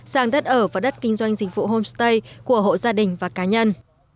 sang đất ở và đất kinh doanh dịch vụ homestay của hộ gia đình và cá nhân